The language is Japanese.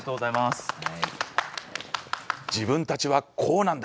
自分たちはこうなんだ。